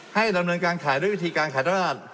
ให้ดำเนินการขายด้วยวิธีการขายอำนาจ